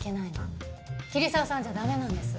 桐沢さんじゃ駄目なんです。